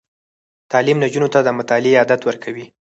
تعلیم نجونو ته د مطالعې عادت ورکوي.